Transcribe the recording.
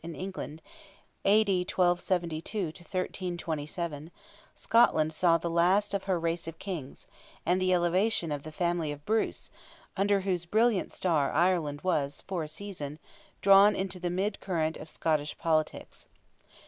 in England (A.D. 1272 to 1327), Scotland saw the last of her first race of Kings, and the elevation of the family of Bruce, under whose brilliant star Ireland was, for a season, drawn into the mid current of Scottish politics.